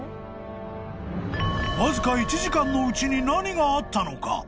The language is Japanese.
［わずか１時間のうちに何があったのか？］